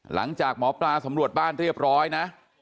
หลังจากหมอปลาสำรวจบ้านเรียบร้อยนะ